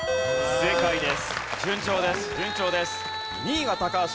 正解です。